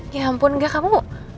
ya ampun gak kamu